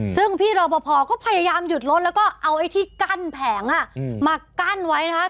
ซึ่งพี่รอปภก็พยายามหยุดรถแล้วก็เอาไอ้ที่กั้นแผงมากั้นไว้นะครับ